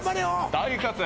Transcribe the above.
大活躍